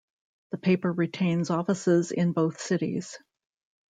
The paper retains offices in both cities.